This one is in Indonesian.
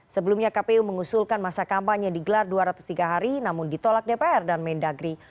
sebelumnya kpu mengusulkan masa kampanye digelar dua ratus tiga hari namun ditolak dpr dan mendagri